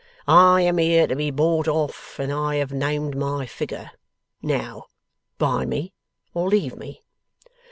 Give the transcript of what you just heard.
I am here to be bought off, and I have named my figure. Now, buy me, or leave me.